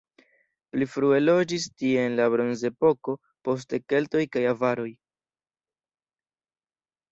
Pli frue loĝis tie en la bronzepoko, poste keltoj kaj avaroj.